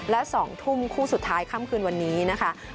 และ๒ทุ่มคู่สุดท้ายค่ำคืนวันนี้นะคะ